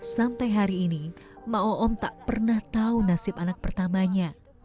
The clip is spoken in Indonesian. sampai hari ini ma'oom tak pernah tahu nasib anak pertamanya